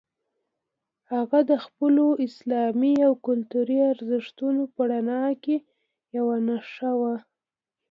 هغه د خپلو اسلامي او کلتوري ارزښتونو په رڼا کې یوه نښه وه.